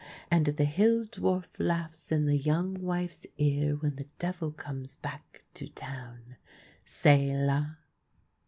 And the hill dwarf laughs in the young wife's ear, When the devil conies back to town — C\sl la